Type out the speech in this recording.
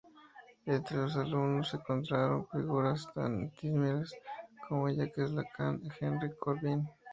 Entre sus alumnos se contaron figuras tan disímiles como Jacques Lacan y Henry Corbin.